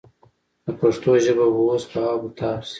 د پښتو ژبه به اوس په آب و تاب شي.